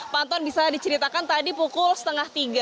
pak anton bisa diceritakan tadi pukul setengah tiga